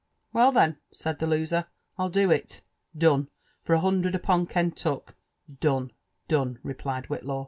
*' Well, then,'* said the loser, '* V\l do it done» for a hundred upon Rcniuck— done I'* "Donel" replied Whitlaw."